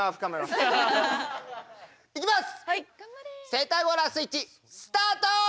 セタゴラスイッチスタート！